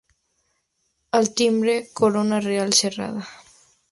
Al timbre, Corona Real cerrada.